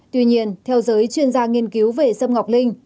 tuy nhiên theo giới chuyên gia nghiên cứu về sâm ngọc linh